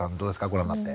ご覧になって。